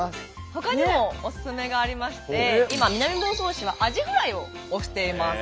ほかにもおすすめがありまして今南房総市はアジフライを推しています。